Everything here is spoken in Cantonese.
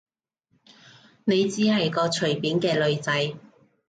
你只係個隨便嘅女仔